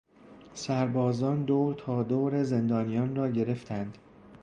سربازان دور تا دور زندانیان را گرفتند.